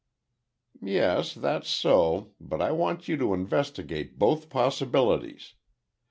"Yes, that's so, but I want you to investigate both possibilities.